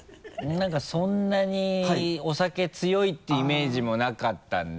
何かそんなにお酒強いっていうイメージもなかったんで。